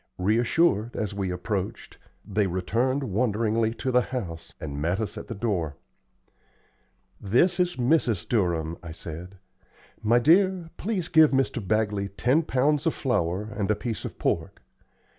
Reassured, as we approached, they returned wonderingly to the house, and met us at the door. "This is Mrs. Durham," I said. "My dear, please give Mr. Bagley ten pounds of flour and a piece of pork.